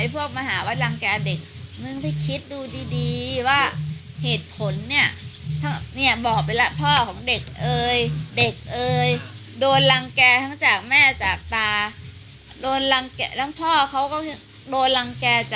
เพราะว่าพี่พร้อมรับเป็นลูกบุญธรรมและมาอยู่กับพี่ได้เพราะว่าพี่จะทำห้องให้เขาเหมือนกัน